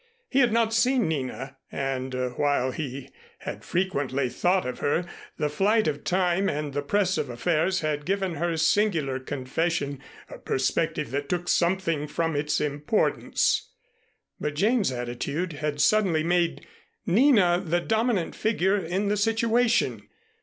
He had not seen Nina, and while he had frequently thought of her, the flight of time and the press of affairs had given her singular confession a perspective that took something from its importance. But Jane's attitude had suddenly made Nina the dominant figure in the situation.